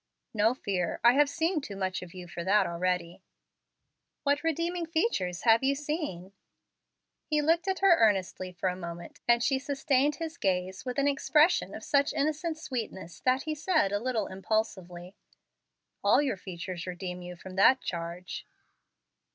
"No fear. I have seen too much of you for that already." "What redeeming features have you seen?" He looked at her earnestly for a moment, and she sustained his gaze with an expression of such innocent sweetness that he said, a little impulsively, "All your features redeem you from that charge."